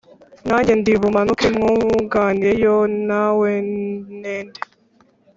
Nanjye ndi bumanuke mvuganireyo nawe nende